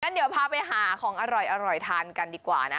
เดี๋ยวพาไปหาของอร่อยทานกันดีกว่านะ